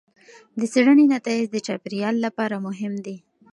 د څېړنې نتایج د چاپیریال لپاره مهم دي.